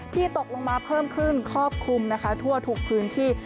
ตกลงมาเพิ่มขึ้นครอบคลุมนะคะทั่วทุกพื้นที่